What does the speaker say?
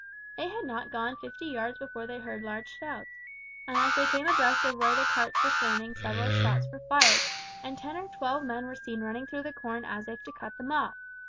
They had not gone fifty yards before they heard loud shouts, and as they came abreast of where the carts were standing several shots were fired, and ten or twelve men were seen running through the corn as if to cut them off.